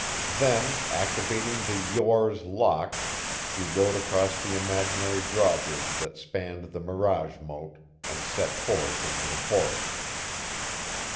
Then, activating the Yore's lock, he rode across the imaginary drawbridge that spanned the mirage moat, and set forth into the forest.